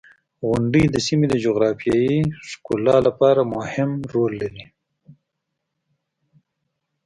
• غونډۍ د سیمې د جغرافیې د ښکلا لپاره مهم رول لري.